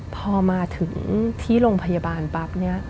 พอมาถึงที่โรงพยาบาลปั๊บ